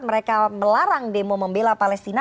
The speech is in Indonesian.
mereka melarang demo membela palestina